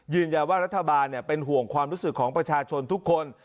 รัฐบาลเป็นห่วงความรู้สึกของประชาชนทุกคน